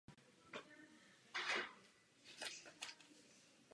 Od druhé poloviny patnáctého století přestaly Trosky sloužit jako vrchnostenské sídlo.